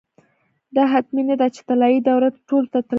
دا حتمي نه ده چې طلايي دوره ټولو ته طلايي وي.